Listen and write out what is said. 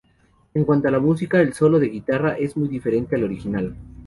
En cuanto a la música, el solo de guitarra es muy diferente al original.